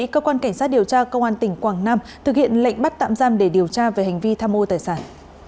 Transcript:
cơ quan cảnh sát điều tra công an tỉnh quảng nam thực hiện lệnh bắt tạm giam để điều tra về hành vi tham ô tài sản